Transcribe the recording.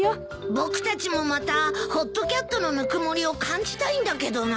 僕たちもまたホットキャットのぬくもりを感じたいんだけどなぁ。